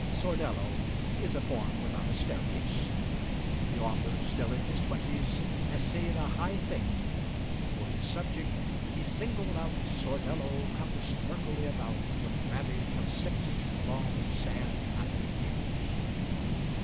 'Sordello' is a poem without a staircase. The author, still in his twenties, essayed a high thing. For his subject "He singled out Sordello compassed murkily about With ravage of six long sad hundred years.'"